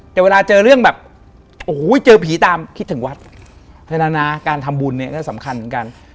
แต่เวลาเจอเรื่องแบบโอ้โหเจอผีตามคิดถึงวัดเทนาการทำบุญเนี่ยก็สำคัญเหมือนกัน